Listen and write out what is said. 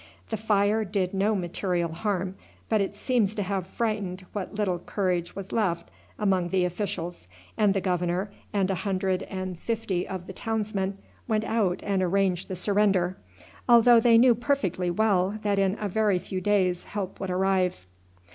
The fire did no material harm, but it seems to have frightened what little courage was left among the officials, and the governor and a hundred and fifty of the townsmen went out and arranged the surrender, although they knew perfectly well that in a very few days help would arrive.